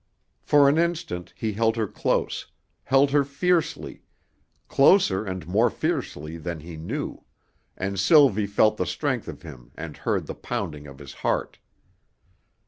For an instant he held her close, held her fiercely, closer and more fiercely than he knew, and Sylvie felt the strength of him and heard the pounding of his heart.